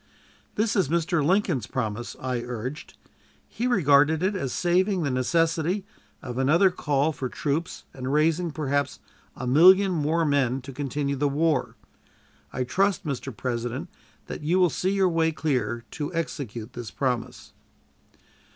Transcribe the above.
"This is Mr. Lincoln's promise," I urged. "He regarded it as saving the necessity of another call for troops and raising, perhaps, a million more men to continue the war. I trust, Mr. President, that you will see your way clear to execute this promise."